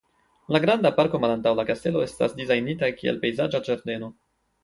La granda parko malantaŭ la kastelo estas dizajnita kiel pejzaĝa ĝardeno.